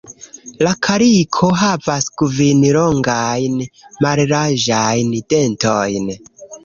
La kaliko havas kvin longajn mallarĝajn "dentojn".